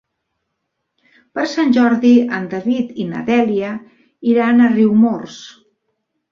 Per Sant Jordi en David i na Dèlia iran a Riumors.